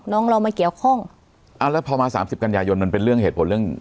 น้องเรามาเกี่ยวข้องอ่าแล้วพอมาสามสิบกันยายนมันเป็นเรื่องเหตุผลเรื่อง